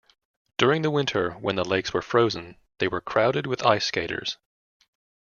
During the winter, when the lakes were frozen, they were crowded with ice skaters.